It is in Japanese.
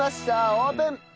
オープン！